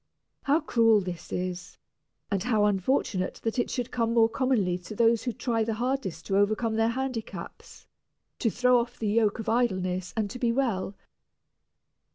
How cruel this is, and how unfortunate that it should come more commonly to those who try the hardest to overcome their handicaps, to throw off the yoke of idleness and to be well.